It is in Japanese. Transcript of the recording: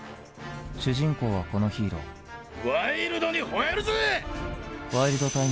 主人公はこのヒーローワイルドに吠えるぜ！